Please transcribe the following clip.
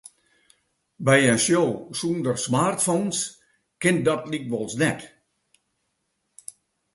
By in show sûnder smartphones kin dat lykwols net.